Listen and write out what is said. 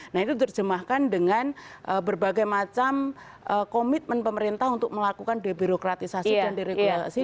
nah itu diterjemahkan dengan berbagai macam komitmen pemerintah untuk melakukan debirokratisasi dan deregulasi